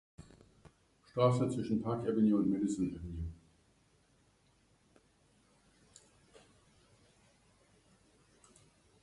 Straße zwischen Park Avenue und Madison Avenue.